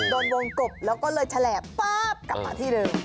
โดนวงกบแล้วก็เลยแฉลบป๊าบกลับมาที่เดิม